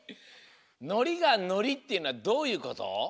「のりがのり」っていうのはどういうこと？